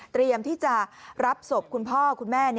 เตรียมที่จะรับศพคุณพ่อคุณแม่